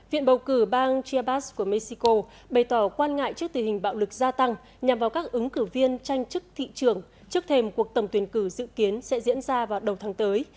viện bầu cử bang chiabas của mexico bày tỏ quan ngại trước tình hình bạo lực gia tăng nhằm vào các ứng cử viên tranh chức thị trường trước thềm cuộc tổng tuyển cử dự kiến sẽ diễn ra vào đầu tháng tới